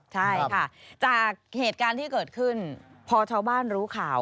ใช่ค่ะจากเหตุการณ์ที่เกิดขึ้นพอชาวบ้านรู้ข่าว